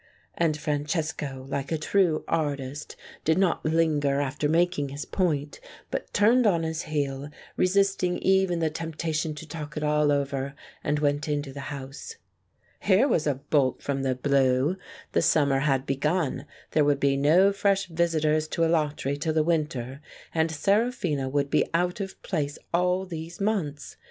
And Francesco, like a true artist, did not linger after making his point, but turned on his heel, resist ing even the temptation to talk it all over, and went into the house. Here was a bolt from the blue ! The summer had begun, there would be no fresh visitors to Alatri till the winter, and Seraphina would be out of place all these months.